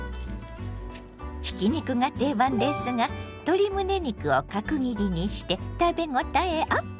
ひき肉が定番ですが鶏むね肉を角切りにして食べごたえアップ！